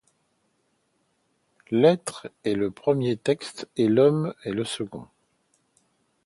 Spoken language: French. L’être est le premier texte et l’homme est le second.